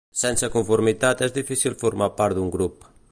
Sense conformitat és difícil formar part d'un grup.